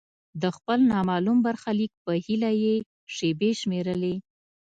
د خپل نامعلوم برخلیک په هیله یې شیبې شمیرلې.